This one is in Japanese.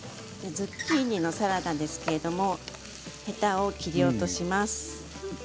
ズッキーニのサラダですけどヘタを切り落とします。